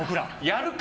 やるか！